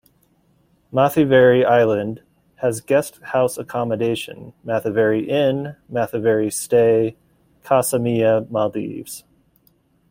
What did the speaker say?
Mathiveri island has guest house accommodation Mathiveri inn, Mathiveri stay, Casa Mia Maldives.